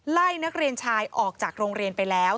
นักเรียนชายออกจากโรงเรียนไปแล้ว